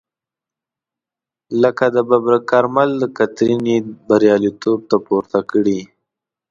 لکه د ببرک کارمل دکترین یې بریالیتوب ته پورته کړی.